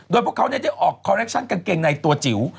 โดยพวกเขาได้ออกคอเลคชั่นกางเกงในตัวจิ๋ว